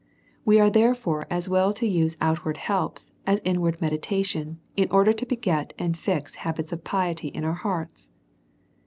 DEVOUT AND HOLY LIFE. 195 ^Ve are, therefore, as well to use outward helps, as inward meditation, iu order to beget and lix habits of piety in our hearts.